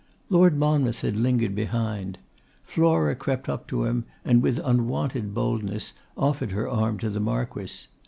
Lord Monmouth had lingered behind. Flora crept up to him, and with unwonted boldness offered her arm to the Marquess.